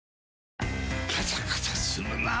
カサカサするなぁ。